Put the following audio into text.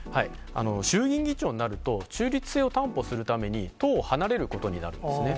衆議院議長になると、中立性を担保するために、党を離れることになるんですね。